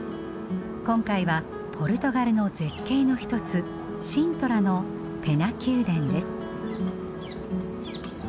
今回はポルトガルの絶景の一つシントラのペナ宮殿です。